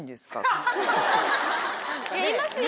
いますよ